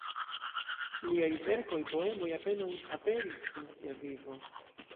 Liaj verkoj, poemoj apenaŭ aperis en sia vivo.